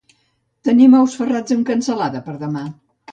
Tenim ous ferrats amb cansalada per a demà.